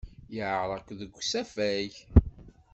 Yeɛreq deg usafag.